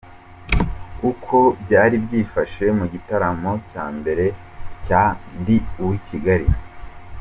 Uko byari byifashe mu gitaramo cya mbere cya Ndi Uw’i Kigali:.